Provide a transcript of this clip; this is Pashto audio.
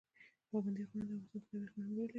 پابندی غرونه د افغانستان په طبیعت کې مهم رول لري.